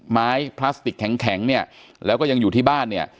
พลาสติกแข็งเนี่ยแล้วก็ยังอยู่ที่บ้านเนี่ย